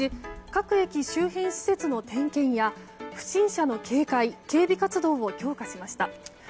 各駅周辺施設の点検や不審者の警戒・警備活動を強化しました。